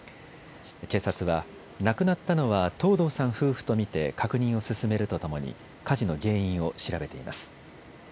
警察は亡くなったのは藤堂さん夫婦と見て確認を進めるとともに火事の原因を調べています。